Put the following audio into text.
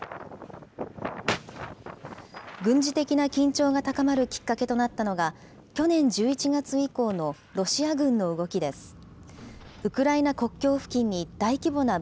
軍事的な緊張が高まるきっかけとなったのが、去年１１月以降のロシア軍の動きです。